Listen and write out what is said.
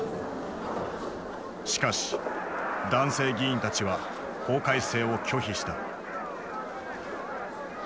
しかし男性議員たちは法改正を拒否した。